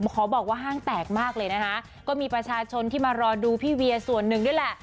ขอบอกว่าห้างแตกมากเลยนะคะก็มีประชาชนที่มารอดูพี่เวียส่วนหนึ่งด้วยแหละ